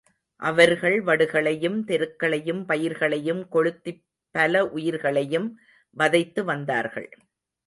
அவர்கள் வடுகளையும் தெருக்களையும் பயிர்களையும் கொளுத்திப் பல உயிர்களையும் வதைத்து வந்தார்கள்.